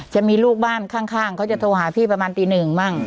จะมีลูกบ้านข้างเขาจะโทรหาพี่ประมาณตีหนึ่งบ้าง